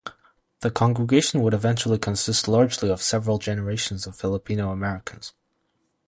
The congregation would eventually consist largely of several generations of Filipino Americans.